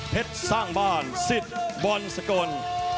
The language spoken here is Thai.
เพชรสร้างบ้านสิทธิ์บรรสกล